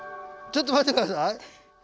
ちょっと待って下さい。